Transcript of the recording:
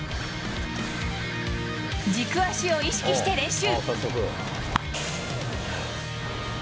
軸足を意識して練習。